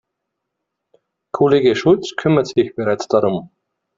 Kollege Schulz kümmert sich bereits darum.